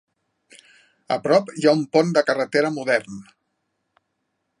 A prop hi ha un pont de carretera modern.